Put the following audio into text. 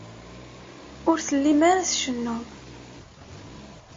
Ur tellim ara tcennum.